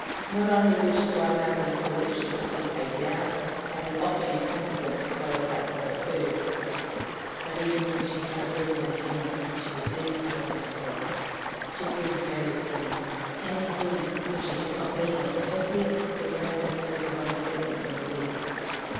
Not only would she buy nothing for which she could not pay down, having often in consequence to go without proper food, but, even when she had a little in hand, would live like an anchorite. She grew very thin; and, in deed, if she had not been of the healthiest, could not have stood her own treatment many weeks.